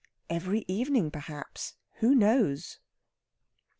Every evening, perhaps who knows?